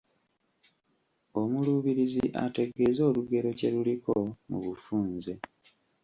Omuluubirizi ategeeze olugero kye luliko mu bufunze